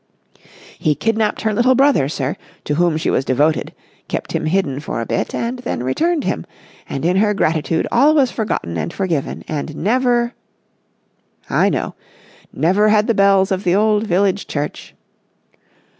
"He kidnapped her little brother, sir, to whom she was devoted, kept him hidden for a bit, and then returned him, and in her gratitude all was forgotten and forgiven, and never...." "I know. Never had the bells of the old village church...."